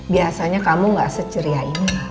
biasanya kamu gak seceriainya